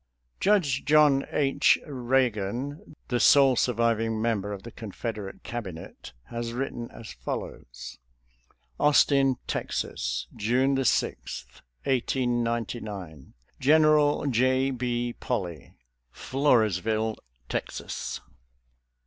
Judge John H. Eeagan, the sole surviving member of the Confederate Cabinet, has written as follows: " Austin, Texas, June 6, 1899. "GENEEAL J. B. POLLBY, " Floresville, Texas.